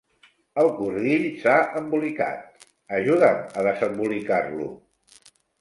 El cordill s'ha embolicat: ajuda'm a desembolicar-lo!